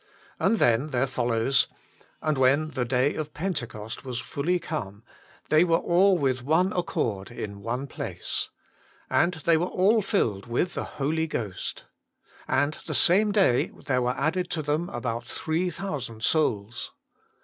And then there follows :" And when the day of Pentecost was fully come, they were all with one accord in one place. And they were all filled with the Holy Ghost. And the same day there were added to them about three thousand souls."